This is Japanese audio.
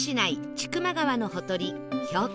千曲川のほとり標高